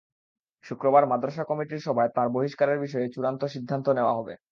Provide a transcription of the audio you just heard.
শুক্রবার মাদ্রাসা কমিটির সভায় তাঁর বহিষ্কারের বিষয়ে চূড়ান্ত সিদ্ধান্ত নেওয়া হবে।